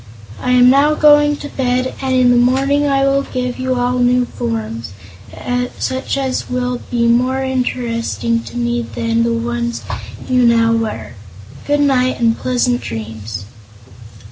I am now going to bed, and in the morning I will give you all new forms, such as will be more interesting to me than the ones you now wear. Good night, and pleasant dreams."